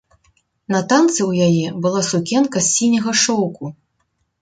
На танцы ў яе была сукенка з сіняга шоўку.